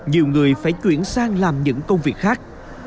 nhiều người phải chuyển sang làm những công việc khác